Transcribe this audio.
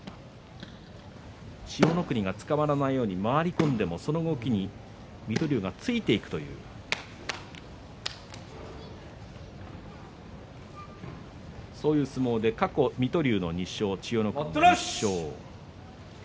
千代の国がつかまらないように回り込んでもその動きに水戸龍がついていくというそういう相撲で過去水戸龍の２勝千代の国の１勝。